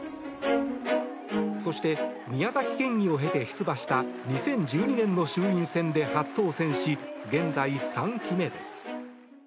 そして、宮崎県議を経て出馬した２０１２年の衆院選で初当選し現在３期目です。